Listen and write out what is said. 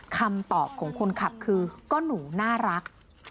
คำตอบของคนขับคือก็หนูน่ารัก